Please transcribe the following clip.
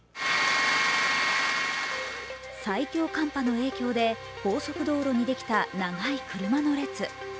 最強寒波の影響で高速道路にできた長い車の列。